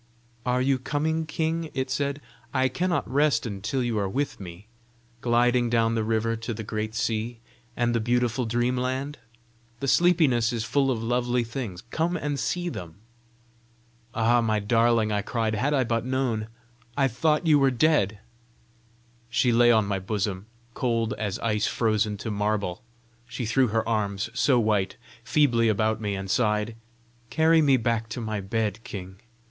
"Are you coming, king?" it said. "I cannot rest until you are with me, gliding down the river to the great sea, and the beautiful dream land. The sleepiness is full of lovely things: come and see them." "Ah, my darling!" I cried. "Had I but known! I thought you were dead!" She lay on my bosom cold as ice frozen to marble. She threw her arms, so white, feebly about me, and sighed "Carry me back to my bed, king.